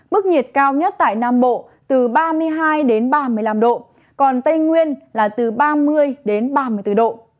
mức nhiệt cao nhất tại nam bộ từ ba mươi hai ba mươi năm độ còn tây nguyên là từ ba mươi đến ba mươi bốn độ